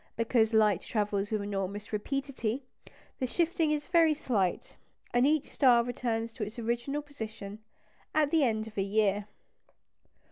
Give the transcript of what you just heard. Because light travels with enormous rapidity, the shifting is very slight; and each star returns to its original position at the end of a year.